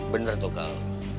bener tuh kal